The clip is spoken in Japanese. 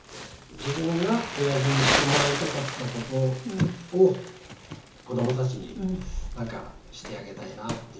自分がおやじにしてもらいたかった事を子どもたちになんかしてあげたいなっていう。